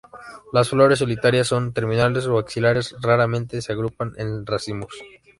Las flores, solitarias, son terminales o axilares, raramente se agrupan en racimos.